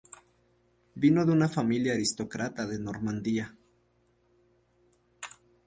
Vino de una familia aristócrata de Normandía.